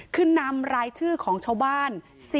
คือนำรายชื่อของชาวบ้าน